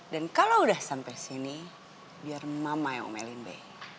dan kalau udah sampai sini biar mama yang ngomelin be